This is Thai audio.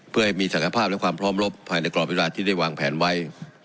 เพื่อให้มีศักรณภาพและความพร้อมรวบภายในกรเหมือนราชินโรงค์ที่ได้วางแผนไว้